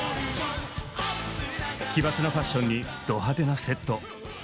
奇抜なファッションにド派手なセット！